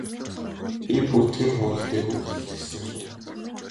Би бүр тэр хурал дээр үг хэлэх гэсэн шүү.